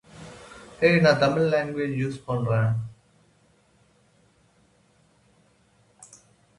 It will now not go ahead.